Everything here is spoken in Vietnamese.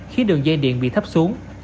khi đường dây điện bị thấp xuống